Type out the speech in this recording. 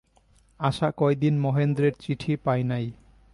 আশা কয়দিন মহেন্দ্রের চিঠি পায় নাই।